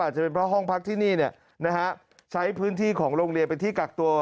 จะเป็นเพราะห้องพักที่นี่ใช้พื้นที่ของโรงเรียนเป็นที่กักตัว